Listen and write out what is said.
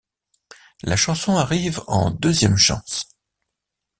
La chanson arrive en Deuxième Chance.